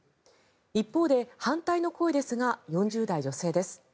一方で、反対の声ですが４０代女性です。